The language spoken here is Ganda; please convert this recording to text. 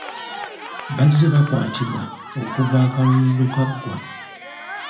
Bazze bakwatibwa okuva akalulu lwe kaggwa.